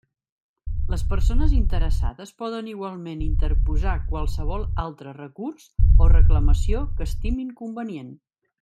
Les persones interessades poden igualment interposar qualsevol altre recurs o reclamació que estimin convenient.